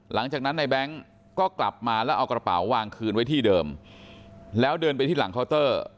หลังจากนั้นในแบงค์ก็กลับมาแล้วเอากระเป๋าวางคืนไว้ที่เดิมแล้วเดินไปที่หลังเคาน์เตอร์